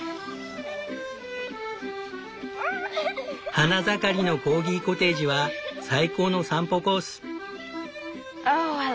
花盛りのコーギコテージは最高の散歩コース。